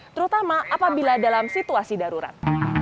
terutama apabila dalam situasi darurat